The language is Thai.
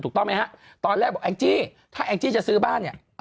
ถูกต้องไหมฮะตอนแรกบอกแองจี้ถ้าแองจี้จะซื้อบ้านเนี่ย